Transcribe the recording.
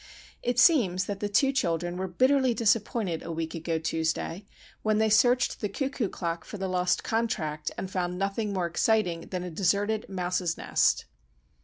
It seems that the two children were bitterly disappointed a week ago Tuesday when they searched the cuckoo clock for the lost contract, and found nothing more exciting than a deserted mouse's nest.